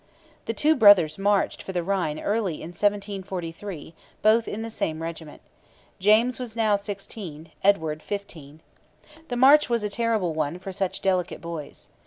The two brothers marched for the Rhine early in 1743, both in the same regiment. James was now sixteen, Edward fifteen. The march was a terrible one for such delicate boys.